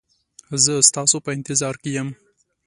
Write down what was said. زه ستاسو په انتظار کې یم